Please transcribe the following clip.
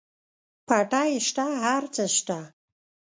پټی شته هر څه شته.